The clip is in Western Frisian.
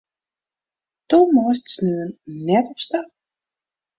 Do meist sneon net op stap.